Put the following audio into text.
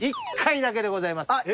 １回だけでございます。